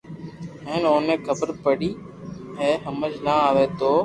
ھين اوني خبر پڙئي ئسآ ھمج نہ آوئ تو